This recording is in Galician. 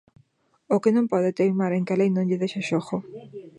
O que non pode é teimar en que a Lei non lle deixa xogo.